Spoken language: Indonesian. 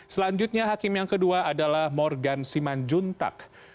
selanjutnya hakim yang kedua adalah morgan simanjuntak